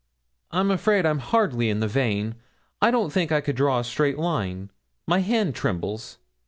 'I'm afraid I'm hardly in the vein. I don't think I could draw a straight line. My hand trembles.'